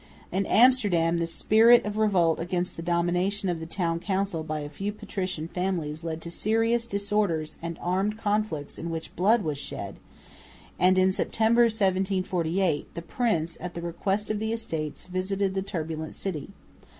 In Amsterdam the spirit of revolt against the domination of the Town Council by a few patrician families led to serious disorders and armed conflicts in which blood was shed; and in September, 1748, the prince, at the request of the Estates, visited the turbulent city.